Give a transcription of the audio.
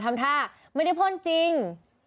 ทำท่าไม่ได้พ่นจริง